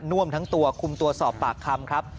่วมทั้งตัวคุมตัวสอบปากคำครับ